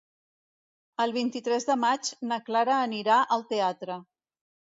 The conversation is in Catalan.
El vint-i-tres de maig na Clara anirà al teatre.